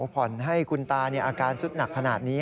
ผ่อนให้คุณตาอาการสุดหนักขนาดนี้